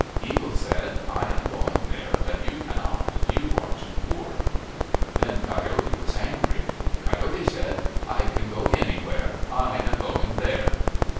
Eagle said, " I am going there, but you cannot. You are too poor/' Then Coyote was angry. Coyote said, " I can go anywhere. I am going there."